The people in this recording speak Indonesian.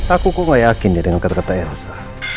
aku kok gak yakin ya dengan kata kata elsa